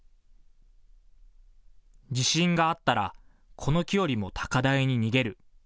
地震があったらこの木よりも高台に逃げる。